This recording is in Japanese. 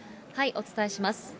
お伝えします。